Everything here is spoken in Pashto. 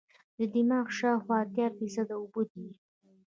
دماغ شاوخوا اتیا فیصده اوبه دي.